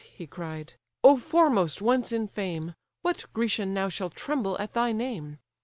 (he cried) Oh foremost once in fame! What Grecian now shall tremble at thy name?